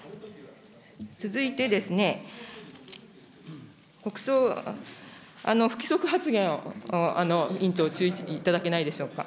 続いてですね、国葬、不規則発言を委員長、注意いただけないでしょうか。